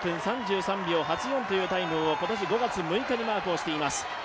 ２６分３３秒８４というタイムを、今年５月６日にマークをしています。